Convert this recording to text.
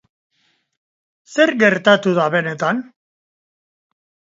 Zer gertatu da benetan?